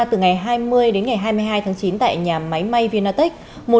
từ ngày hai mươi đến ngày hai mươi hai tháng chín tại nhà máy may vinatech